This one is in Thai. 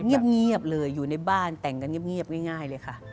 เงียบเลยอยู่ในบ้านแต่งกันเงียบง่ายเลยค่ะ